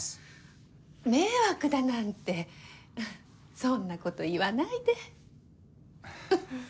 迷惑だなんてそんなこと言わないで。